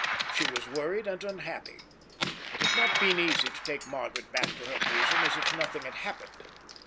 She was worried and unhappy. It had not been easy to take Margaret back to her bosom as if nothing had happened.